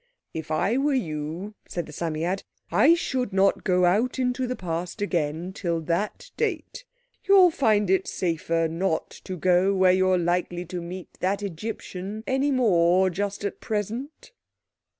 "If I were you," said the Psammead, "I should not go out into the Past again till that date. You'll find it safer not to go where you're likely to meet that Egyptian any more just at present."